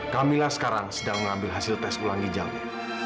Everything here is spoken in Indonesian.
kamilah sekarang sedang mengambil hasil tes ulang ginjalnya